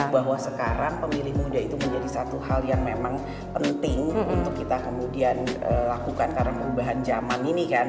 bahwa sekarang pemilih muda itu menjadi satu hal yang memang penting untuk kita kemudian lakukan karena perubahan zaman ini kan